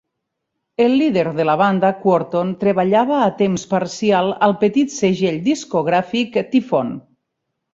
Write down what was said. El líder de la banda, Quorthon, treballava a temps parcial al petit segell discogràfic Tyfon.